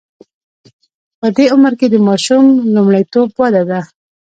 په دې عمر کې د ماشوم لومړیتوب وده ده.